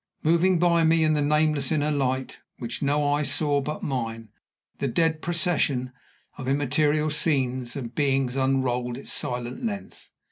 Moving by me in the nameless inner light, which no eye saw but mine, the dead procession of immaterial scenes and beings unrolled its silent length.